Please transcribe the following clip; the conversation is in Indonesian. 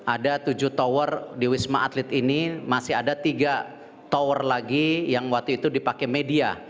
ada tujuh tower di wisma atlet ini masih ada tiga tower lagi yang waktu itu dipakai media